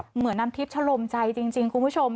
เหมือนน้ำทิพย์ชะลมใจจริงคุณผู้ชม